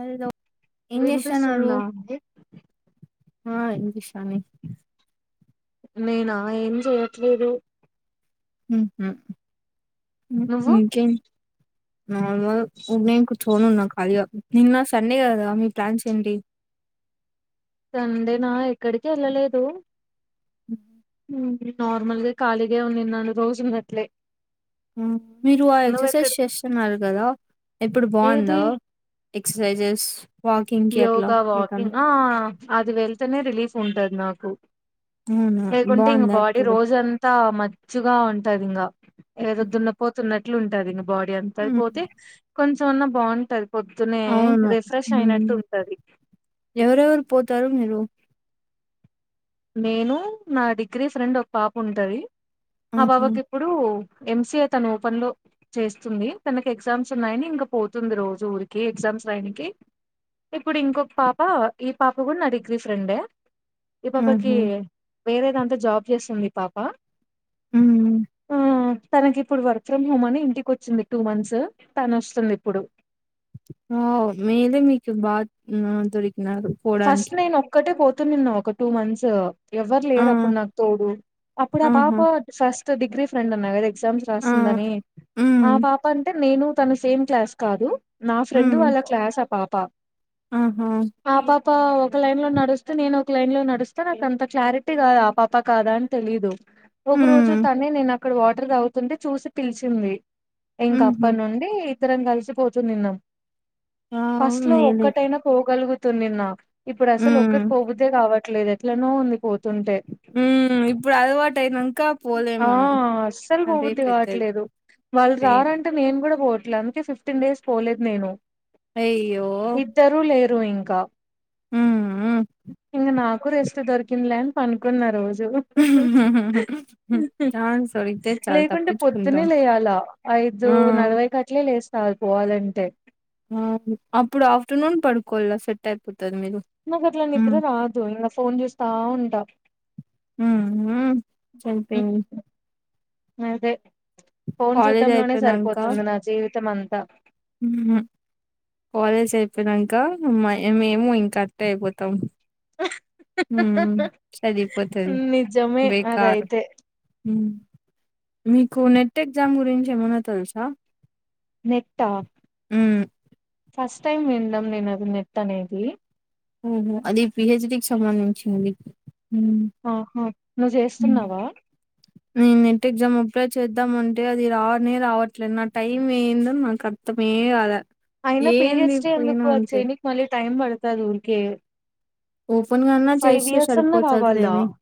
అరిదో వినిపిస్తుందా అండి ఆ ఇనిపిస్తాంది నేనా ఏం చేయట్లేదు ఉహు ఉమ్ నువ్వు ఇంకేమ్ నార్మల్ నేను కూర్చోని ఉన్నా ఖాళీగా నిన్న సండే కదా మీ ప్లాన్స్ ఏంటి సండే నా ఎక్కడికి వెళ్ళలేదు ఉ నార్మల్ గా ఖాళీగా ఉంది నన్ను రోజు ఉన్నట్లే మీరు ఆ ఎక్సర్సైజ్ చేస్తున్నారు కదా ఇప్పుడు ఏది బాగుందా ఎక్ససైజెస్ యోగా వాకింగ్ ఆ అది వెళ్తేనే రిలీఫ్ ఉంటది నాకు అవునా లేకుంటే ఇంక బాగుందా బాడీ ఇప్పుడు రోజంతా మచ్చుగా ఉంటది ఇంగ ఏదో ద్దున్న పోతు ఉన్నది ఎట్లుంటాది ఎనుమ్ బాడీ అంతది ఉమ్, పోతే కొంచెం అన్నా బాగుంటది పొద్దునే అవును రిఫ్రెష్ అయిన ఉమ్, ఎవరెవరు పోతారు మీరు నేను నా డిగ్రీ ఫ్రెండ్ ఒక పాప ఉంటది ఆ ఆహా పాపకిప్పుడు ఎం సి ఏ తను ఓపెన్ లో చేస్తుంది. తనకి ఎగ్జామ్స్ ఉన్నాయని ఇంక పోతుంది రోజు ఊరికి ఎగ్జామ్స్ రాయనికి, ఇప్పుడు ఇంకొక పాప ఈ పాప కూడా నా డిగ్రీ ఫ్రెండే ఈ పాపకి ఆహా వేరేదాంట్లో జాబ్ చేస్తుంది ఈ పాప ఉహు ఆ తనకి ఇప్పుడు వర్క్ ఫ్రమ్ హోమ్ అని ఇంటికి వచ్చింది టూ మంత్స్ తను వస్తుంది ఇప్పుడు వావ్ మేలే మీకు బాగ్ నా దొరిక్ ఫస్ట్ నేను ఒక్కటే పోత్ తునిన్న ఒక టూ మంత్స్ ఎవ్వరు ఆ లేరు అప్పుడు నాకు తోడు అప్పుడు ఆ ఆహా పాప ఫస్ట్ తో డిగ్రీ ఫ్రెండ్ అన్నావ్ గదా ఎగ్జామ్స్ ఆ! రాస్తుందని ఆ హ్మ్. పాప అంటే నేను తను సేమ్ క్లాస్ కాదు నా ఫ్రెండ్ హ్మ్. వాళ్ళ క్లాస్ ఆ పాప త ఆహా ఆ పాప ఒక లైన్ లో నడుస్తూ నేను ఒక లైన్ లో నడుస్త నాకు అంత క్లారిటీ కాదు ఆ పాప కాదా అని తెలీదు ఒక రోజు హ్మ్. తనే నేనా ఇక్కడ వాటర్ తాగుతుంటే చూసి పిలిచింది ఇంక హుహు. అప్పనుండి ఇద్దరం కలిసి పోచూని తిన్నాం వావ్! ఫస్ట్ లో మేలే. ఒక్కటైనా పోగలుగు తు నిన్నా ఇప్పుడు అసలు హ్మ్. ఒక్కతి పోబుద్దె కావట్లే ట్లేదే ఎట్లనో ఉంది తుంటే హ్మ్. ఇప్పుడు అలవాటయినంక పోలేం ఆ మనం. అస్సలు అదే పోవుద్ది పెద్దది. కావట్లేదు వాళ్ళు సేమ్. రారంటే నేను కూడా పోవ ఇట్లా అందుకే ఫిఫ్టీన్ డేస్ పోలేదు నేను అయ్యో డోయింగ్ కా హ్మ్. హ్మ్. ఇన నాకు ఎక్కువ రెస్ట్ దొరికిందిలే అని పండుకున్న రోజు ఛాన్స్ దొరికితే చాలు లేకుంటే పొద్దునే తప్పించుకుంటాం. లేవాలా ఐదు ఆ! నలభై కట్లే లేస్తా చాలు పోవాలంటే ఆ అప్పుడు ఆఫ్టర్నూన్ పడుకోల సెట్ అయిపోతుంది నా కట్ల నిద్ర రాదు ఇంగ ఫోన్ చూస్తా ఉంటా హ్మ్. హ్మ్. సరిపోయింది. అదే ఫోన్ కాలేజ్ చూడ్డంలోనే అయిపోయినంక సరిపోతుంది నా జీవితం ఉత్తమంత కాలేజ్ అయిపోయినాక మేము ఇంకా అట్టే అయిపోతాం ఊ సరిపోతది నిజమే బెకార్ అదైతే మీకు నెట్ ఎగ్జామ్ గురించి ఏమన్నా తెలుసా నెట్ట హ్మ్. ఫస్ట్ టైం వింనడం నేను అది నెట్ అనేది ఉహు అది పిహెచ్డికి సంబంధించింది హ్మ్. ఆహా నువ్వు చేస్తున్నావా ఉ నేను నెట్ ఎగ్జామ్ అప్లై చేద్దామంటే అది రానే రావట్లేదు నా టైం ఏందో నాకు అర్థంమే కలే అయినా పీహెచ్డీ ఎందుకు అది చేయనికి మళ్ళీ టైమ్ పడతాది ఉరికే ఓపెన్ గాన్నా చేస్తే సరిపోతదిలే కావాలా నీకు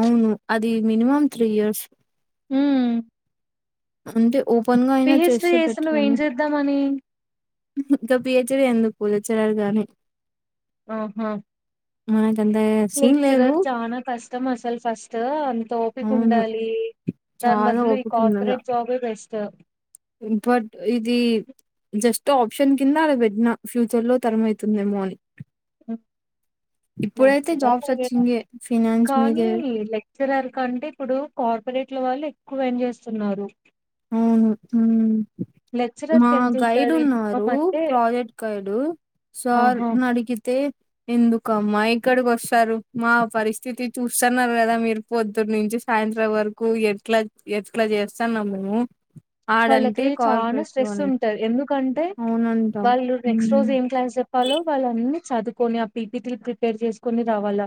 అవును అది ది మినిమమ్ త్రీ ఇయర్స్ ఊ అంటే ఓపెన్‌గా అయినా పీహెచ్డీ చేస్తే చేసి నువ్వు ఏం చేద్దాంమని ఉత్త పిహెచ్డి ఎందుకు లెక్చలేరు గాని ఆహా మనకి లేక్చరర్ చానా కష్టం అసలు ఫస్ట్ అంత ఓపిక అవును. ఉండాలి దాని చాలా బదులు ఈ ఓపికున్నదా కార్పొరేట్ జాబే బెస్ట్ బట్ ఇది జస్ట్ ఆప్షన్ కింద అది పెట్టిన ఫ్యూచర్ లో తరం అవుతుందేమో అని ఇప్పుడైతే లెక్చర జాబ్ సర్చింగే ఫినాన్స్ కానీ మీదే లెక్చరర్ కంటే ఇప్పుడు కార్పొరేట్ల వాళ్ళు ఎక్కువ ఎం చేస్తున్నారు అవును ఉ లెక్చరర్ మా కి ఎంత గైడ్ ఉంటది మినిమం ఉన్నారు అంటే ప్రాజెక్ట్ గైడ్ సార్ ఆహా నడిగితే ఎందుకమ్మా ఇక్కడికి వస్తారు మా పరిస్థితి చూస్తన్నారు కదా మీరు పొద్దున్న నుంచి సాయంత్రం వరకు ఎట్లా ఎట్లా చేస్తన్నాము హ్మ్ వాళ్ళకి చాలా స్ట్రెస్ ఉంటది. ఎందుకంటే అవునంట వాళ్ళు నెక్స్ట్ ఉమ్ రోజు ఏం క్లాస్ చెప్పాలో వాళ్ళ అన్ని చదువుకొని ఆ పీ పి టీ లు ప్రిపేర్ చేసుకోని రావాల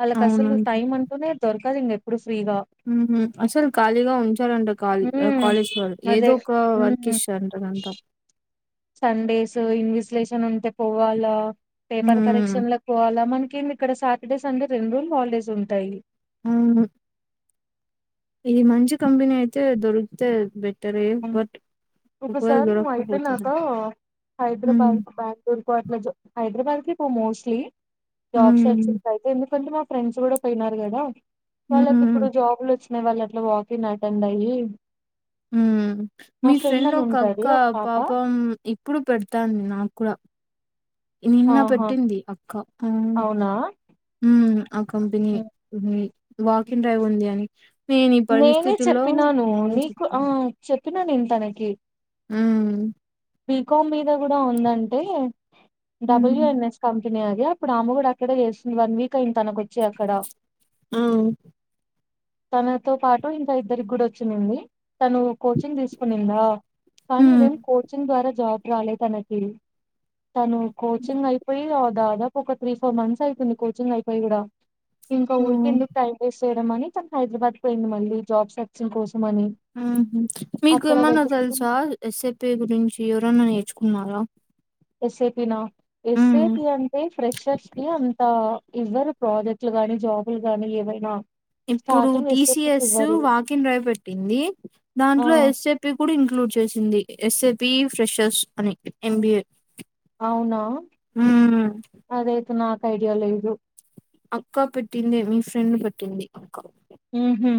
వాళ్ళ కసలు టైమ్ అంటూనే దొరక కళింగ ఎప్పుడ హ్మ్ అసలు ఖాళీగా ఉంచరంట కా ఉమ్ కాలేజ్ వాళ్ళు అదే ఏదో ఒక వర్క్ ఉమ్ ఇస్తారంట అంత సండేస్ ఇన్విజలేషన్ ఉంటే పోవాలా పేపర్ హ్మ్. కరెక్షన్లకు పోవాలా మ ఇంకెంది ఇక్కడ సాటర్డే, సండే రెండు రోజులు హాలిడేస్ ఉంటాయి. హ్మ్ ఇది మంచి కంపెనీ అయితే దొరికితే బె హు ఒక సారీ నువ్యు దొరక్కపోతే అయిపోయినాక హ్మ్. హైదరాబాద్ బెంగళూరు కు అట్లా హైదరాబాద్ కి మోస్ట్లీ జాబ్స్ హ్మ్. వచ్చినట్ అయితే ఎందుకంటే మాకు ఫ్రెండ్స్ కూడా పోయినారు కదా వాళ్ళకి ఇప్పుడు హ్మ్. జాబ్లు వచ్చి వాళ్ళు అట్లా వాకింగ్ అటెండ్ అయ్యి హు మా మీ ఫ్రెండ్ అని ఒక ఉంటది అక్క ఒక పాప పాపం ఇప్పుడు పెడతాంది నాకు కూడా నిన్న ఆహా పెట్టింది అక్క ఆ అవునా హ్మ్ ఆ కంపెనీ వాకిన్ డ్రైవ్ ఉంది అని నేను ఈ నేనే పరిస్థితులో నేనే చెప్పా చెప్పిన నేను తనకి హ్మ్ బీకామ్ మీద కూడా ఉందంటే హ్మ్. డబ్ల్యూ ఎన్ ఎస్ కం అప్పుడు ఆమె కూడా అక్కడే చేస్తుంది వన్ వీక్ అయింది తనకొచ్చి అక్కడ ఆ! తనతో పాటు ఇంకా ఇద్దరికి కూడా వచ్చిన్నింది తను కోచింగ్ తీసుకునిందా కానీ హ్మ్. ఇదేం కో ఇంకా జాబ్ రాలే తనకి తను కోచింగ్ అయిపోయి ద దదాపు ఒక త్రీ ఫోర్ మంత్స్ అయితుంది కోచింగ్ అయిపోయి కూడా ఇంకా ఊరికి ఓహ్! ఎందుకు టైం వేస్ట్ చేయడంమని కా హైదరాబాద్ పోయింది మళ్ళీ జాబ్ సర్చింగ్ కోసం అని ఉ మీకు అక్కడ ఏమనా వెతుకు తెలుసా ఎస్ఎపి గుంచి ఎవరైనా నేర్చుకున్నారా ఎస్ఏపీ నా ఎస్ ఏ హ్మ్. పి అంటే ఫ్రెషర్స్ ని అంతా ఇవరు ప్రాజెక్టులు గాని జాబులు గాని ఏవైనా ఇప్పుడు స్టార్టింగ్ ఎస్ఏపి కి టిసిఎస్ ఇవ్వరు వాకిన్ డ్రైవ్ పెట్టింది ఆ దాంట్లో ఎస్సెపి కూడా ఇంక్లూడ్ చేసింది ఎస్ఏబి ఫ్రెషర్స్ అని ఎంబిఏ అవునా అదైతే నాకు ఐడియా లేదు పట్టింది మీ ఫ్రెండ్ పట్టింది ఇంకా ఉహు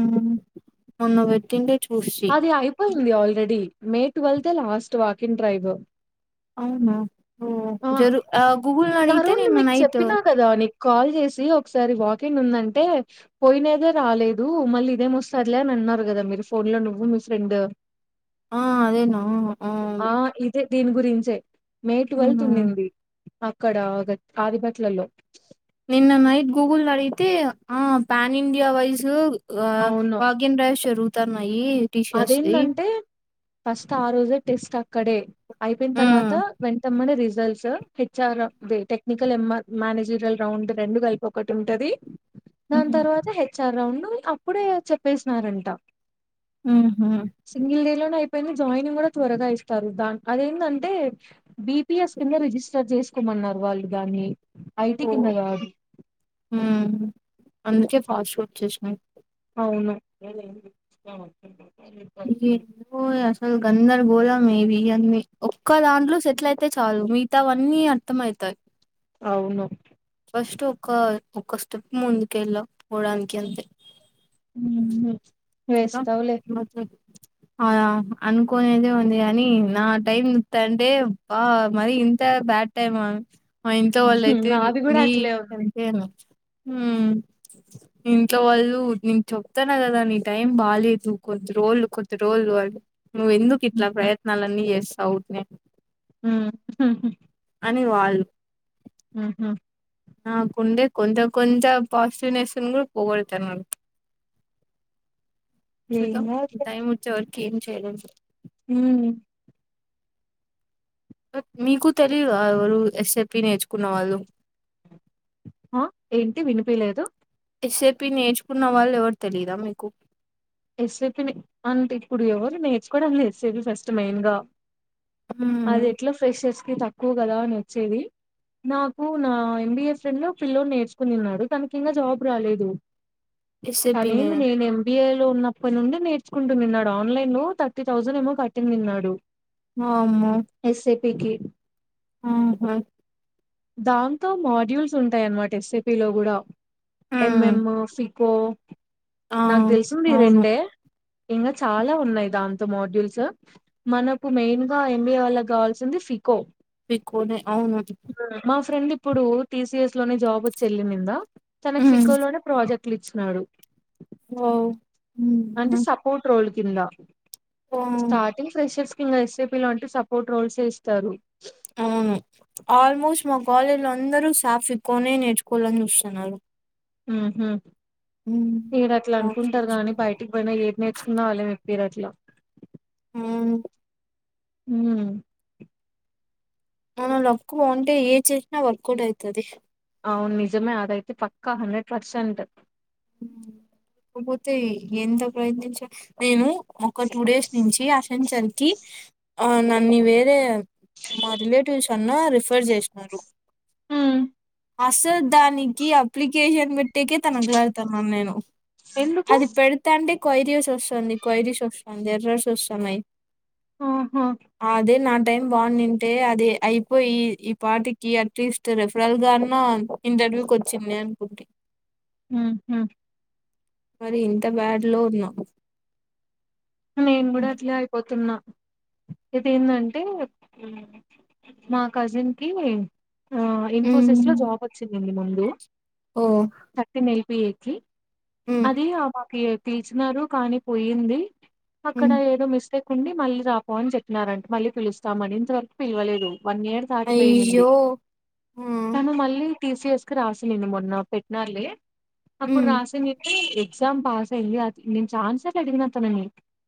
ఉహు మొన్న పెటింటి అది అయిపోయింది already May twelfth last walk in drive అవునా ఓ ఆ జరు గూగుల్ నడిగితే నరుణ్ నిన్న మీకు నైట్ చెప్పినా కదా నీకు కాల్ చేసి ఒకసారి వాకింగ్ ఉందంటే పోయినదే రాలేదు మళ్ళీ ఇదేంవోస్తాదిలే అని అన్నారు కదా మీరు ఫోన్ లో నువ్వు మీ ఫ్రెండ్ ఆ అదేనా ఆ దీని గురించే మే ట్వెల్త్ ఉహు ఉండింది అక్కడ గ ఆదిబట్లలో నిన్న నైట్ గూగుల్ నడిగితే ఆ ప్యాన్ ఇండియా వైస్ ఊ వావ్ అవును వాకింగ్ డ్రైవ్ షురూ [unintelligible] ఈ టీషర్ట్స్ ది అదేందంటే ఫస్ట్ ఆ రోజె టెస్ట్ ఆ అక్కడే అయిపోయిన హ్మ్. తర్వాత వెంటమ్మని తీస్ జెల్స్ హెచ్ఆర్ టెక్నికల్ మేనేజల్ రౌండ్ రెండు కలిపి ఒకటి ఉంటంది దాన్ హ్మ్. తర్వాత హెచ్ఆర్ రౌండు ను అప్పుడే చెప్పేసినారంట హుహు. సింగిల్ డేలోనే అయిప్ కెళ్ళి జాయినింగ్ కూడా త్వరగా ఇస్తారు దా అదేంటంటే బిపిఎస్ కింద రిజిస్టర్ చేసుకోమన్నారు వాళ్ళు దాన్ని ఐటి ఓ కింద కాదు అందుకే ఫాస్ట్ ఫుడ్ చేసినమ్ ఆవును ఎందుకో అసలు గందరగోళ మే బి అన్ని ఒక్క దాంట్లో సెటిలయితే చాలు మిగతావన్నీ అర్థంఐతాయి అవును ఫస్ట్ ఒక్క ఒక్క స్టెప్ ముందుకు వెళ్ళ పోవడానికి అంతే ఉ మ్ ఇంకా అదా అనుకొనేదే ఉంది కాని నా టైం చూత్తాంటే బా మరి ఇంత బ్యాడ్ టైమ్ ఆ మా ఇంట్లో ఉహు. వాళ్ళయితే నాది కూడా అట్లే ఉంది నీకంటే హ ఇంట్లో వాళ్ళు నిను చెప్తానా కదా నీ టైమ్ బాలేదు కొద్ది రోజులు కొద్ది రోజులు వాళ్ళు నువ్వు ఎందుకు ఇట్లా ప్రయత్నాలు అని చేస్ అవుట్ నే మ్ హు అని వాళ్ళు ఊహూ నాకుండే కొంచం కొంచ పాసిటివ్నెస్ కూడా పోగొడుతున్నారు ఏం చూద్దాం మన టైమ్ వచ్చే వర ఏం చెయ్యలేం ఉ మ్ మీకు తెలియదా ఎవలూ ఎస్ ఏ పి నేర్చుకున్నవాళ్ళు ఆ ఏంటి వినిపిలేదు ఎస్ ఏ పి నేర్చుకున్న వాళ్ళు ఎవరు తెలియదా మీకు ఎస్ ఏ పి నే అంటే ఇప్పుడు ఎవరు నేర్చుకోవడం లే S A P first main గా అది హ్మ్ ఎట్లా ఫ్రెషర్స్ కి తక్కువ కదా అని వచ్చేది నాకు నా ఎం బి ఏ ఫ్రెండ్ ఓ పిల్లోడు నేర్చుకునిన్నారు తనకింకా జాబ్ రాలేదు ఎస్ఏపి నే తినేంది నేను ఎం బి ఏ లో ఉన్పటినుండి నేర్చుకుంటునిన్నాడు ఆన్లైన్ లో థర్టీ థౌసండ్ ఏమో కట్టిన్నినాడు వామ్మో పీ కి ఆహా దాంతో మాడ్యూల్స్ ఉంటాయన్నమాట ఎస్ ఏ పీలో గూడా ఎం ఉమ్ ఎమ్ ఫికో ఆ నాక తెలిసి అవును దీరెండే ఇంకా చాలా ఉన్నాయి దా ంతో మోడ్యూల్స్ మనకు మెయిన్ గా ఎం బి ఏ వాళ్ళక్కావాల్సింది ఫికొ ఫికొ నే అవును ఫ్రెండ్ ఇప్పుడు టీ సి ఎస్ లోనే జాబ్ వచ్చి వెళ్ళినింద తనకి ఉమ్ సఫికో లోనే ప్రాజెక్ పిలిచినారు హమ్ అంటే సపోర్ట్ రోల్ కింద ఆ స్టార్టింగ్ ఫ్రషేర్స్ ఇకా ఎస్పీ లో ఉంటే సపోర్ట్ రోల్స్యే ఇస్తారు అవును ఆల్మోస్ట్ మా కాలేజీ లో అందరూ సాఫ్ ఎక్కువనే నేర్చుకోవాలని చూస్తున్నారు హమ్ హమ్ ఉమ్ ఈడ అట్లా అనుకుంటారు గాని బయటికి పోయినా ఏది నేర్చుకున్నా అలువే మ హమ్ హమ్ మన లక్కు బాగుంటే ఏ చేసిన వర్కౌట్ అయితది అవును నిజమే అదైతే పక్కా హండ్రెడ్ పర్సెంట్ పోతాయ్ ఎంత ప్రయత్నించ నేను ఒక టూ డేస్ నుంచి సర్కి ఆ న్నన్ని వేరే మా రిలేటివ్స్ కన్నా రిఫర్ చేసినరు హమ్ అసలు దానికి అప్లికేషన్ పెట్టేకే తన క్ల నేను ఎందుకు అది పెడతాంటే కొయిరీస్ వస్తుంది కొయిరీస్ వస్తుంది ఎర్రర్స్ వస్తున్నాయి ఆహా అదే న టైం బాగునుంటే అది అయిపోయి ఈ పాటికి అట్లీస్ట్ రెఫరల్ గా అన్న ఇంటర్వ్యూకి వచ్చింది అనుకుంటే హమ్ హమ్ మరి ఇంత బ్యాడ్ లో ఉన్నా నేను గుడా అట్లే అయిపోతున్న ఇదేందంటే మా కజిన్ కి ఆ ఇన్ఫోసిస్ లో హ్మ్ జాబ్ వచ్చింది ఇం ముందు ఓ తర్టీన్ యెల్ పి ఏ [inaudible] హ్మ్ అది ఆమకి పిల్చినారు కానీ పోయింది ఆక్కడ హ్మ్ ఏదో మిస్టేక్ కుండి మళ్ళీ రాపో అని చెప్పినారంట మళ్ళీ పిలుస్తామని ఇంతవరకు పిలవలేదు వన్ ఇయర్ దాటిపోయియింది అయ్యో ఆ తను మళ్ళీ టీసీఎస్కి రాసలేడి మొన్న పెట్టినారు లే అప్పుడు హ్మ్ రాసింది చెప్ ఎగ్జామ్ పాస్ అయింది అది నేను చానా సార్లు అడిగిన తనని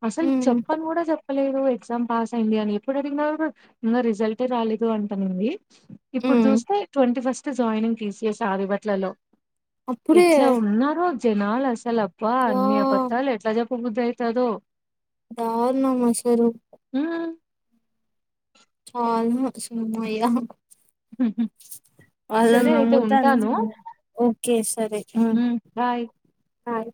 అసలు హ్మ్ చెప్పని కూడా చెప్పలే ఎగ్జామ్ పాస్ అయింది అని ఎప్పుడు అడిగిన రిజల్ట్ే రాలేదు అంటానంది ఇప్పుడు హ్మ్ చూస్తే twenty first joining T C S ఆదిబట్లలో అప్పుడే ఎట్లా ఉన్నారో జనాలు అసలు అబ్ బ అన్నీ వా ఆపద్ధాలు ఎట్లా జప్ కుగుదైతదో దారుణ మాసరూ హ్మ్ చాల్ ను సుమయ వాళ్ళు సరే అయితే నమ్ముతాను ఉంటాను ఓకే సరే హ్మ్ బాయ్ బాయి